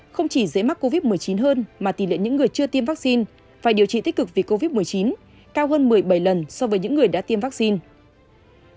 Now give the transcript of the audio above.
không chỉ dễ mắc covid một mươi chín hơn mà tỷ lệ những người chưa tiêm vaccine phải điều trị tích cực vì covid một mươi chín cao hơn một mươi bảy lần so với những người đã tiêm vaccine